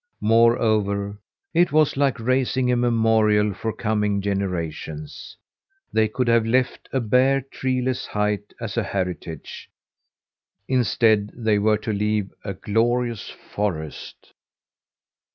Moreover, it was like raising a memorial for coming generations. They could have left a bare, treeless height as a heritage. Instead they were to leave a glorious forest.